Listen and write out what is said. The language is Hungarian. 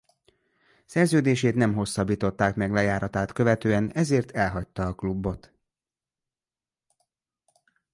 Szerződését nem hosszabbították meg lejártát követően ezért elhagyta a klubot.